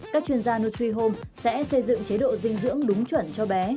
các chuyên gia nutrihome sẽ xây dựng chế độ dinh dưỡng đúng chuẩn cho bé